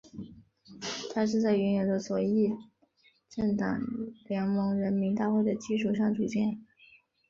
它是在原有的左翼政党联盟人民大会的基础上组建。